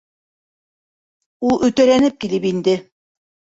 Ул өтәләнеп килеп инде.